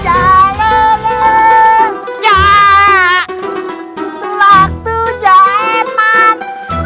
aduh jahat man